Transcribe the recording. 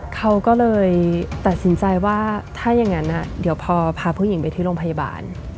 เขาก็เลยตัดสินใจว่าถ้าอย่างนั้นเดี๋ยวพอพาผู้หญิงไปที่โรงพยาบาล